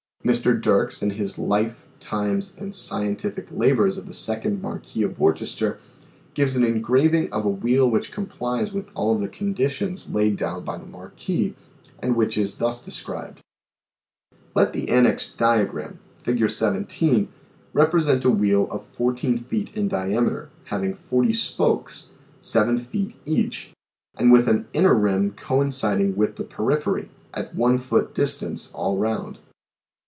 Mr. Dircks in his " Life, Times and Scientific Labours of the Second Marquis of Worcester," gives an engraving of a wheel which complies with all the conditions laid down by the Marquis and which is thus described :" Let the annexed diagram, Fig. 17, represent a wheel of 14 feet in diameter, having 40 spokes, seven feet each, and with an inner rim coinciding with the periphery, at one foot distance all round.